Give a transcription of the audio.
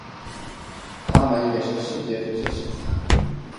他们也是世界知识产权组织的观察员和全球网络倡议组织的参与者。